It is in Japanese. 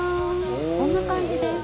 こんな感じです。